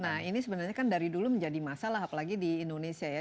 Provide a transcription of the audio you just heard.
nah ini sebenarnya kan dari dulu menjadi masalah apalagi di indonesia ya